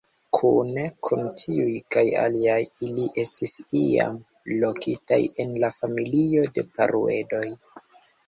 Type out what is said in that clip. Kune kun tiuj kaj aliaj ili estis iam lokitaj en la familio de Paruedoj.